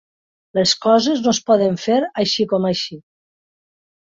Les coses no es poden fer així com així.